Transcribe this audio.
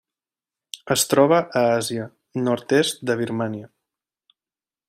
Es troba a Àsia: nord-est de Birmània.